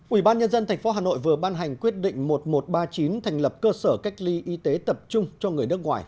ủy ban nhân dân tp hà nội vừa ban hành quyết định một nghìn một trăm ba mươi chín thành lập cơ sở cách ly y tế tập trung cho người nước ngoài